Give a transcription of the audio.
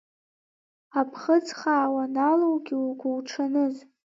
Аԥхыӡ хаа уаналоугьы угәуҽаныз…